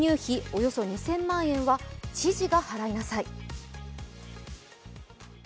およそ２０００万円は知事が払いなさい。